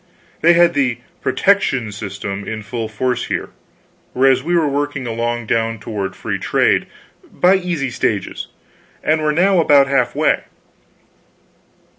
They had the "protection" system in full force here, whereas we were working along down toward free trade, by easy stages, and were now about half way.